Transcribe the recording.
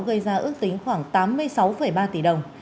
gây ra ước tính khoảng tám mươi sáu ba tỷ đồng